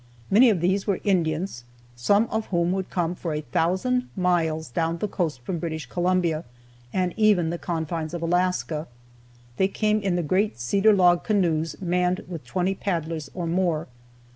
Many of these were Indians, some of whom would come for a thousand miles down the coast from British Columbia and even the confines of Alaska; they came in the great cedar log canoes manned with twenty paddlers or more.